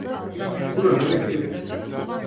Burada beklerim.